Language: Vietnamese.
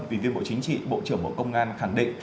ủy viên bộ chính trị bộ trưởng bộ công an khẳng định